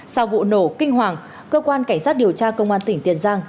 sau vụ nổ kinh hoàng cơ quan cảnh sát điều tra công an tỉnh tiền giang